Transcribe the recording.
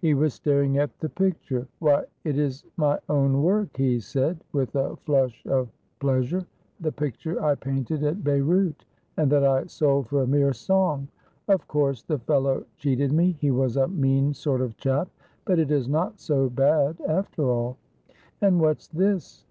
He was staring at the picture. "Why, it is my own work," he said, with a flush of pleasure. "The picture I painted at Beyrout, and that I sold for a mere song. Of course the fellow cheated me, he was a mean sort of chap; but it is not so bad after all. And what's this?